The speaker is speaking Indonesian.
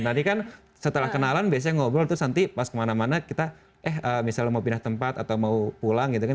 tadi kan setelah kenalan biasanya ngobrol terus nanti pas kemana mana kita eh misalnya mau pindah tempat atau mau pulang gitu kan